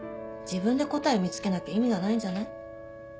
自分で答え見つけなきゃ意味がないんじゃない？